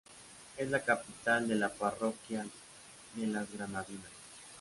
Es la capital de la parroquia de las Granadinas.